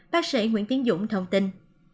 bác sĩ nguyễn tiến dũng thông tin